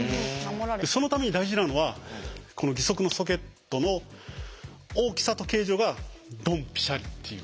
そのために大事なのはこの義足のソケットの大きさと形状がドンピシャリっていう。